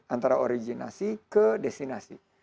antara originasi ke destinasi